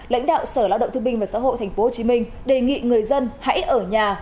lãnh đạo sở lao động thương minh và xã hội thành phố hồ chí minh đề nghị người dân hãy ở nhà